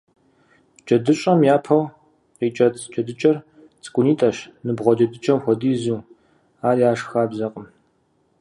ДжэдыщӀэм япэу къикӀэцӀ джэдыкӀэр цӀыкӀунитӀэщ, ныбгъуэ джэдыкӀэм хуэдизу, ар яшх хабзэкъым.